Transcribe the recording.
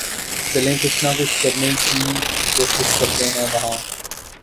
چلیں کچھ نہ کچھ کرنیں کی کیںشش کرتیں ہیں وہاں